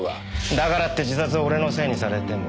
だからって自殺を俺のせいにされても。